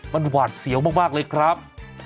มันหวาดเสียวมากเลยครับ